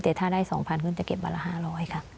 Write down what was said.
แต่ถ้าได้สองพันกว่าจะเก็บวันละห้าร้อยค่ะ